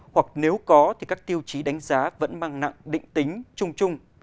hoặc nếu có thì các tiêu chí đánh giá vẫn mang nặng định tính trung trung